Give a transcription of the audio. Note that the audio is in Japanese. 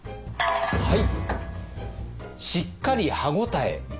はい！